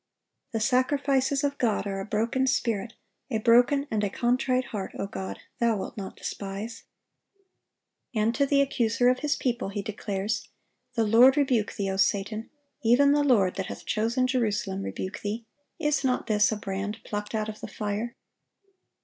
'The sacrifices of God are a broken spirit: a broken and a contrite heart, O God, Thou wilt not despise.' "(860) And to the accuser of His people He declares, "The Lord rebuke thee, O Satan; even the Lord that hath chosen Jerusalem rebuke thee: is not this a brand plucked out of the fire?"